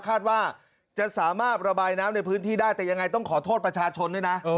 คาดว่าจะสามารถระบายน้ำในพื้นที่ได้แต่ยังไงต้องขอโทษประชาชนด้วยนะ